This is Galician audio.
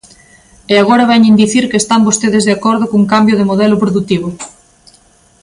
E agora veñen dicir que están vostedes de acordo cun cambio de modelo produtivo.